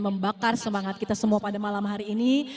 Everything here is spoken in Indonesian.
membakar semangat kita semua pada malam hari ini